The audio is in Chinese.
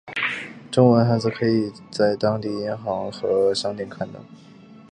中文汉字可以在当地的银行和商店看到。